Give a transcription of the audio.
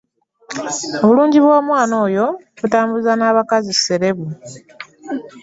Obulungi bw'omwana oyo butambuza n'abakazi serebu.